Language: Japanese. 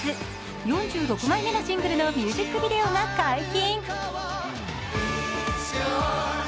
４６枚目のシングルのミュージックビデオが解禁。